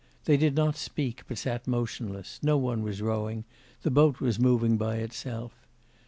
They did not speak, but sat motionless, no one was rowing; the boat was moving by itself.